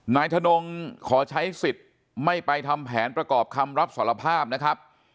นายทนงขอใช้สิทธิ์ไม่ไปทำแผนประกอบคำรับสารภาพนะครับ